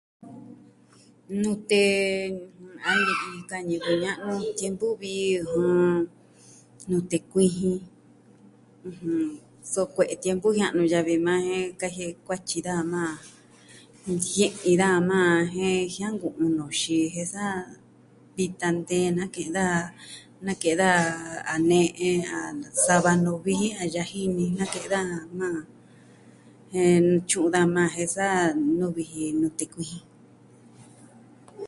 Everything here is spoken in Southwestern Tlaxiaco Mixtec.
Nute a ni'i ka ñivɨ ña'nu tiempu vi, jɨn, nute kuijin, ɨjɨn. So kue'e tiempu jia'nu yavi yukuan jen kajie'e kuatyi daja majan. Njie'e daja majan jen jianku'un nuxi jen sa vitan teen nake'en daja. nake'en daja a ne'e a sava nuvi jin a yajini nake'en daja majan. Jen ntyu'un daja majan je sa nuvi ji nute kuijin.